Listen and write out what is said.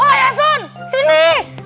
wah ya asun sini